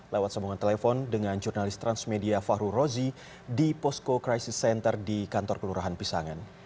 lewat sambungan telepon dengan jurnalis transmedia fahru rozi di posko crisis center di kantor kelurahan pisangan